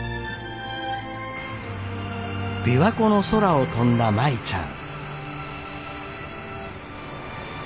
琵琶湖の空を飛んだ舞ちゃん。